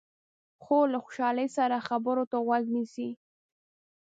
خور له خوشحالۍ سره خبرو ته غوږ نیسي.